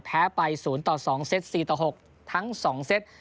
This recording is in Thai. แพ้ไป๐ต่อ๒เซต๔ต่อ๖ทั้ง๒เซต